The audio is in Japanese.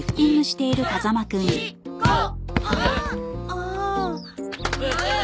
ああ。